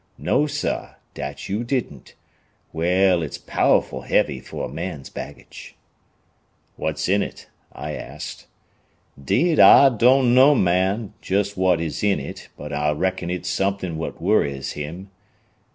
No, sah, dat yo' didn't. Well, it's pow'rful heavy fo' a man's baggage." "What's in it?" I asked. "'Deed, I doan know, man, jest what is in it, but I reckon it's something what worries him.